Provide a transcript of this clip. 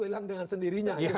hilang dengan sendirinya